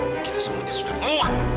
begini semuanya sudah muak